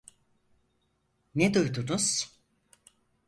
Ne duydunuz?